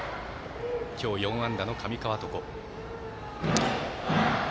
今日４安打の上川床。